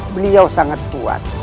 beliau sangat kuat